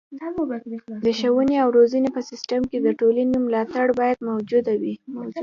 د ښوونې او روزنې په سیستم کې د ټولنې ملاتړ باید موجود وي.